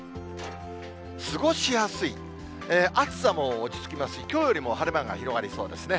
過ごしやすい、暑さも落ち着きますし、きょうよりも晴れ間が広がりそうですね。